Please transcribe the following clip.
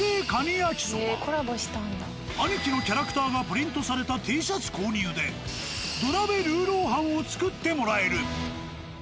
焼きそばアニキのキャラクターがプリントされたＴシャツ購入で土鍋ルーロー飯を作ってもらえる。